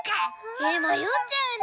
えまよっちゃうね。